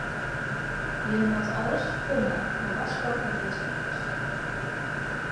Jimme moatte al ris komme, mar warskôgje dan earst efkes.